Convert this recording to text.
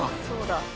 そうだ。